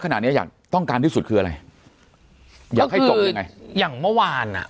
ขนาดเนี้ยอยากต้องการที่สุดคืออะไรอยากให้จบยังไงอย่างเมื่อวานอ่ะ